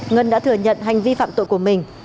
ngân đã thừa nhận hành vi phạm tội của mình